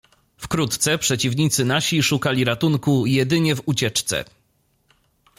"Wkrótce przeciwnicy nasi szukali ratunku jedynie w ucieczce."